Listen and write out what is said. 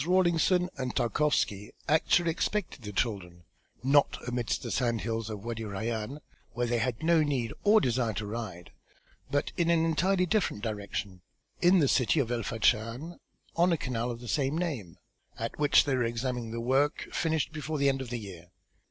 Rawlinson and Tarkowski actually expected the children, not amidst the sand hills of Wâdi Rayân, where they had no need or desire to ride, but in an entirely different direction, in the city of El Fachn on a canal of the same name at which they were examining the work finished before the end of the year.